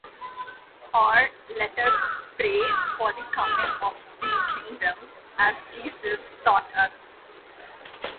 or Let us pray for the coming of the kingdom as Jesus taught us.